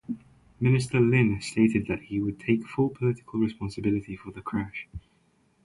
Minister Lin stated that he would take full political responsibility for the crash.